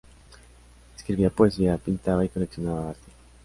Escribía poesía, pintaba y coleccionaba arte.